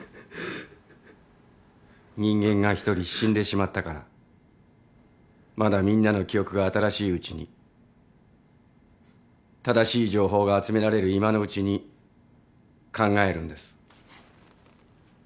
人間が１人死んでしまったからまだみんなの記憶が新しいうちに正しい情報が集められる今のうちに考えるんです。